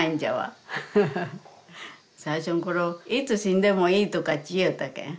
最初ん頃いつ死んでもいいとかっち言いよったけん。